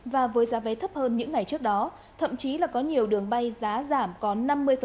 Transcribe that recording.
và với giá vé thấp hơn những ngày trước đó thậm chí là có nhiều đường bay giá giảm có năm mươi